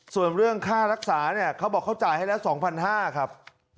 ส่วนเรื่องค่ารักษาเนี่ยเขาบอกเขาจ่ายให้แล้ว๒๕๐๐บาทครับ